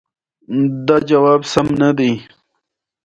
چین په افریقا کې سړکونه جوړوي.